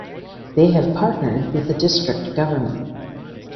They have partnered with the District government.